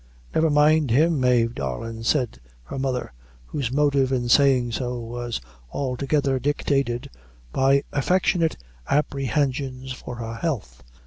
"Never mind him, Mave darlin'," said her mother, whose motive in saying so was altogether dictated by affectionate apprehensions for her health.